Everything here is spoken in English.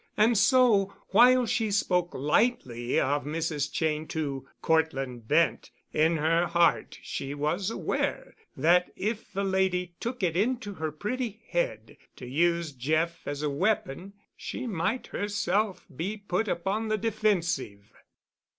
And so, while she spoke lightly of Mrs. Cheyne to Cortland Bent, in her heart she was aware that if the lady took it into her pretty head to use Jeff as a weapon she might herself be put upon the defensive.